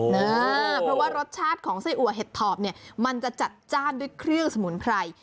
เพราะว่ารสชาติของไส้อัวเห็ดถอบเนี่ยมันจะจัดจ้านด้วยเครื่องสมุนไพร